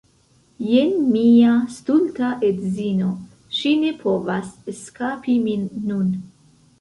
Jen mia stulta edzino ŝi ne povas eskapi min nun